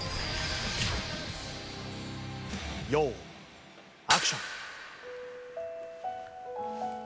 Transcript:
用意アクション！